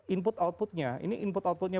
input outputnya ini input outputnya